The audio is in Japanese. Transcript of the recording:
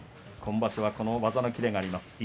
今場所はこの技の切れがあります。